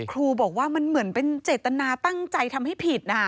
ครูบอกว่ามันเหมือนเป็นเจตนาตั้งใจทำให้ผิด